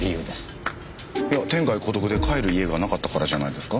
いや天涯孤独で帰る家がなかったからじゃないですか？